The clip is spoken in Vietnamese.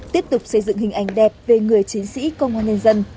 tiếp tục xây dựng hình ảnh đẹp về người chiến sĩ công an nhân dân